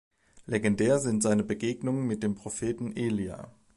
Legendär sind seine Begegnungen mit dem Propheten Elia.